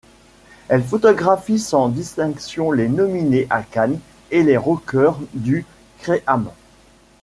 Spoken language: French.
Elle photographie sans distinction les nominés à Cannes et les rockers du Créahm’.